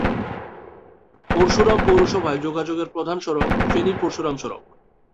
পরশুরাম পৌরসভায় যোগাযোগের প্রধান সড়ক ফেনী-পরশুরাম সড়ক।